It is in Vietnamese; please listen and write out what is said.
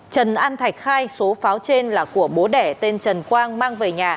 trần an thạch khai số pháo trên là của bố đẻ tên trần quang mang về nhà